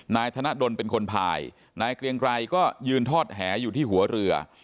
นายธนดลเป็นคนพายนายเกรียงไกรก็ยืนทอดแหอยู่ที่หัวเรือ